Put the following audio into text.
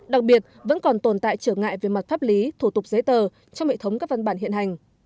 đặc biệt vẫn còn tồn tại trở ngại về mặt pháp lý thủ tục giấy tờ trong hệ thống các văn bản hiện hành